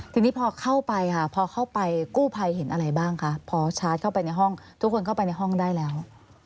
ทีนี้พอเข้าไปค่ะพอเข้าไปกู้ภัยเห็นอะไรบ้างคะพอชาร์จเข้าไปในห้องทุกคนเข้าไปในห้องได้แล้ว